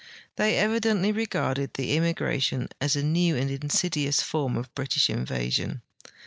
They evidently regarded the immigration as a new and insidious form of British invasion.